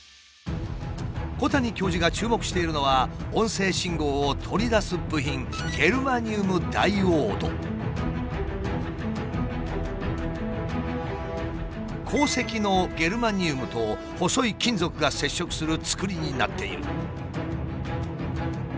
小谷教授が注目しているのは音声信号を取り出す部品鉱石のゲルマニウムと細い金属が接触する作りになっている。